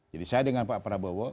jadi saya dengan pak prabowo